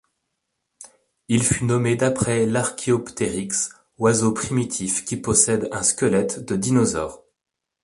Il fut nommé d'après l'archéoptéryx, oiseau primitif qui possède un squelette de dinosaure.